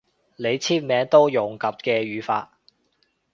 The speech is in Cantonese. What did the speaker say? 你簽名都用噉嘅語法